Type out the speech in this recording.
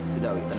sudah wi tenang